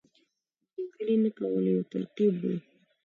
مداخلې نه کولو یو ترکیب وو.